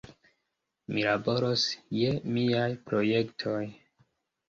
Mi laboros je miaj projektoj.